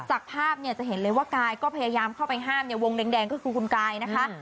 จากภาพเนี่ยจะเห็นเลยว่ากายก็พยายามเข้าไปห้ามเนี่ยวงแดงก็คือคุณกายนะคะ